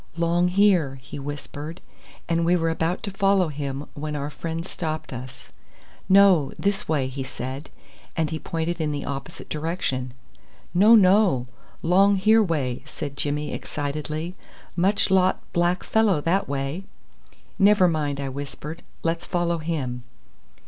"'Long here," he whispered, and we were about to follow him when our friend stopped us. "No; this way," he said, and he pointed in the opposite direction. "No, no! 'long here way," said Jimmy excitedly. "Much lot black fellow that way." "Never mind," I whispered; "let's follow him."